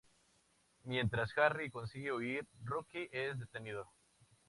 Mientras Jerry consigue huir, Rocky es detenido.